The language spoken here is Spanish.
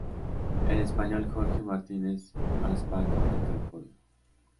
El español Jorge Martínez Aspar completó el podio.